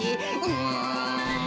うん。